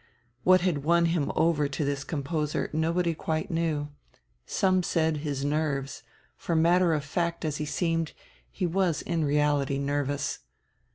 What had won him over to this composer nobody quite knew. Some said, his nerves, for matter of fact as he seemed, he was in reality nervous.